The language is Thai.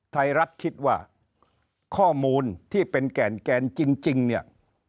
ไทยรัฐคิดว่าข้อมูลที่เป็นแก่นจริงเนี่ย